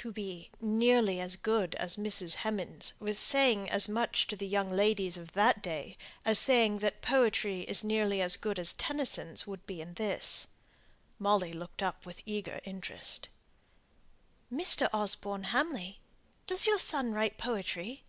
To be nearly as good as Mrs. Hemans' was saying as much to the young ladies of that day, as saying that poetry is nearly as good as Tennyson's would be in this. Molly looked up with eager interest. "Mr. Osborne Hamley? Does your son write poetry?"